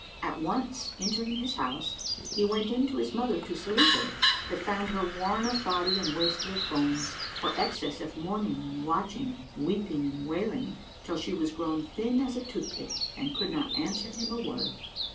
At once entering his house he went in to his mother to salute her, but found her worn of body and wasted of bones, for excess of mourning and watching, weeping and wailing, till she was grown thin as a tooth pick and could not answer him a word.